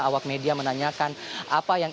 awak media menanyakan apa yang